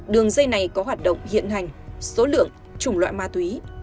đường dây này có hoạt động hiện hành số lượng chủng loại ma túy